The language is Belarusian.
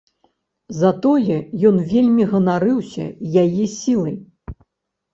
Затое ён вельмі ганарыўся яе сілай.